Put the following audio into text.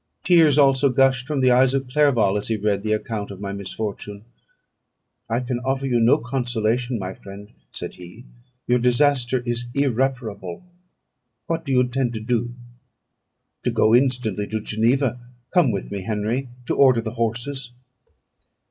Tears also gushed from the eyes of Clerval, as he read the account of my misfortune. "I can offer you no consolation, my friend," said he; "your disaster is irreparable. What do you intend to do?" "To go instantly to Geneva: come with me, Henry, to order the horses."